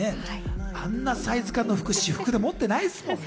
あんなサイズ感の私服、持っていないですからね。